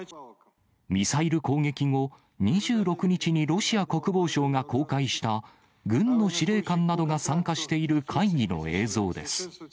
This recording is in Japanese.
ミサイル攻撃後、２６日にロシア国防省が公開した、軍の司令官などが参加している会議の映像です。